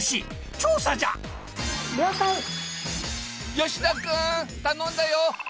吉田君頼んだよ！